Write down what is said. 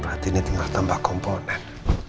berarti ini tinggal tambah komponen